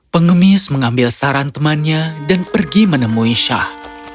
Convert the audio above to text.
pengemis mengambil saran temannya dan pergi menemui syah